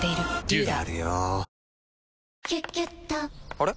あれ？